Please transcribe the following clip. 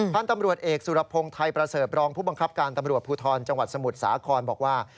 ท่านตำรวจเอกสุรพงศ์ไทยประเสริฐรองผู้บังคับการตำรวจภูทรจังหวัดสมุทรสาครบอกว่า